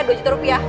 dua juta rupiah